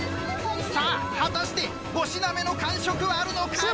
さあ果たして５品目の完食あるのか？